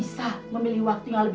selum tujuh ratus dua puluh tahun